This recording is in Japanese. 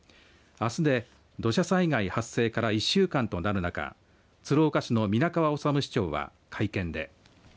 あすで土砂災害発生から１週間となる中鶴岡市の皆川治市長は会見で。